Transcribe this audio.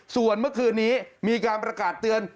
ส่วนเมื่อคืนนี้มีการประกาศเตือน